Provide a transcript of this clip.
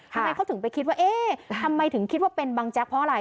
ทำไมเขาถึงไปคิดว่าเอ๊ะทำไมถึงคิดว่าเป็นบังแจ๊กเพราะอะไร